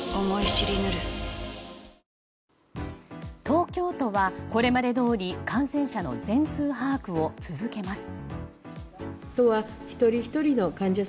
東京都はこれまでどおり感染者の全数把握を続けます。